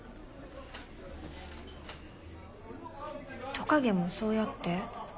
トカゲもそうやって？